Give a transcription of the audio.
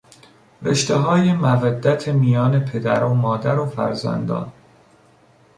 رشتههای مودت میان پدر و مادر و فرزندان